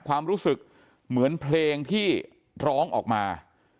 ความรู้สึกเหมือนเพลงที่ร้องออกมา